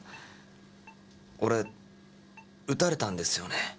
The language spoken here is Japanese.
俺撃たれたんですよね？